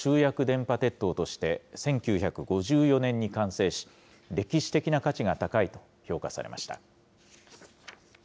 電波鉄塔として１９５４年に完成し、歴史的な価値が高いと評価されました。